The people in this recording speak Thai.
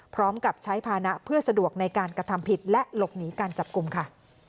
พร้อมกับใช้ภานะเพื่อสะดวกในการกระทำผิดและหลบหนีการจับกลุ่มค่ะ